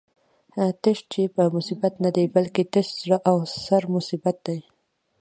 تش جېب مصیبت نه دی، بلکی تش زړه او سر مصیبت دی